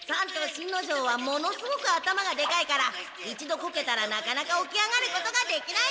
新之丞はものすごく頭がでかいから一度コケたらなかなか起き上がることができない。